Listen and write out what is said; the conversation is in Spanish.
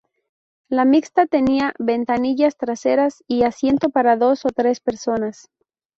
La mixta tenía ventanillas traseras y asiento para dos o tres personas.